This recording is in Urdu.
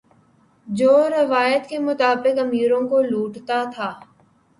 جو روایت کے مطابق امیروں کو لوٹتا تھا